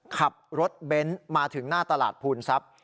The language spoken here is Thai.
ขับรถเบนท์มาถึงหน้าตลาดภูนทรัพย์